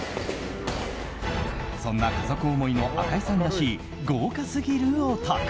そんな家族思いの赤井さんらしい豪華すぎるお宅。